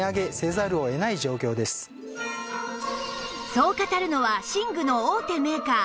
そう語るのは寝具の大手メーカー